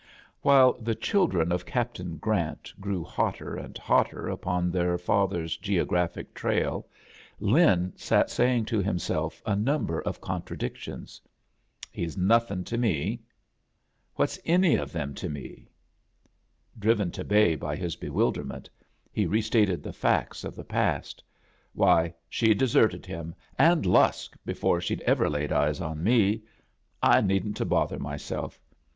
A JOURNEY IN SEARCH OF CHRISTMAS While the chHdrea of Captain Grant grew hotter and hotter upon their father's geo ^ graphic trail* Lin sat sa^i^ to himself a<,^ Dumber of contradictions. "He's noth in' to me. What's any of them to me?" Driven to bay by his bewilderment, he restated the facts of the past. "Why, she'd deserted him and Lusk before she'd ever laid eyes on me. I needn't to bother myself.